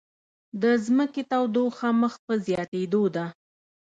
د ځمکې تودوخه مخ په زیاتیدو ده